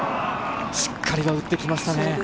しっかりは打ってきましたね。